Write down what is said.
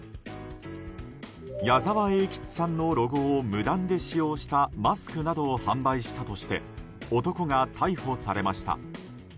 矢沢永吉さんのロゴを無断で使用したマスクなどを販売したとして男が逮捕されました。